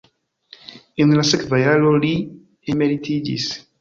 En la sekva jaro li emeritiĝis.